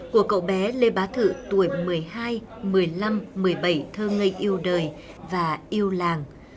của cậu bé lê bá thử tuổi một mươi hai một mươi năm một mươi bảy thơ ngây yêu đời và yêu làng